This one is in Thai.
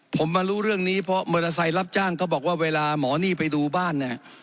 ผมมารู้เรื่องนี้เพราะมอเตอร์ไซค์รับจ้างเขาบอกว่าเวลาหมอนี่ไปดูบ้านเนี่ย